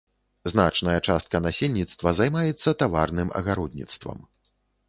Значная частка насельніцтва займаецца таварным агародніцтвам.